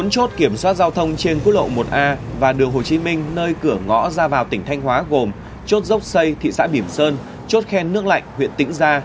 bốn chốt kiểm soát giao thông trên quốc lộ một a và đường hồ chí minh nơi cửa ngõ ra vào tỉnh thanh hóa gồm chốt dốc xây thị xã bỉm sơn chốt khen nước lạnh huyện tĩnh gia